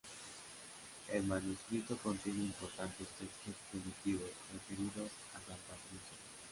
El manuscrito contiene importantes textos primitivos referidos a san Patricio.